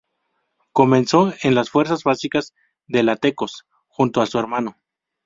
Comenzó en las fuerzas básicas de la Tecos, junto a su hermano.